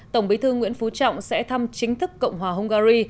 tổng bí thư nguyễn phú trọng sẽ thăm chính thức cộng hòa hungary